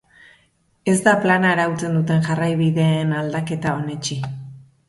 Ez da plana arautzen duten jarraibideen aldaketa onetsi.